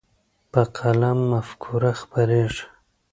په قلم مفکوره خپرېږي.